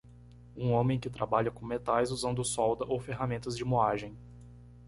Um homem que trabalha com metais usando solda ou ferramentas de moagem.